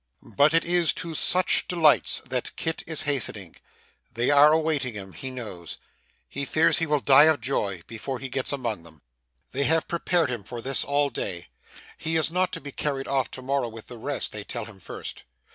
But it is to such delights that Kit is hastening. They are awaiting him, he knows. He fears he will die of joy, before he gets among them. They have prepared him for this, all day. He is not to be carried off to morrow with the rest, they tell him first.